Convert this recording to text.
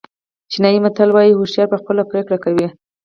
چینایي متل وایي هوښیار په خپله پرېکړه کوي.